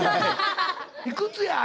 いくつや？